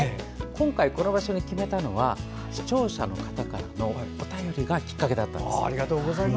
今回この場所に決めたのは視聴者の方からのお便りがきっかけなんです。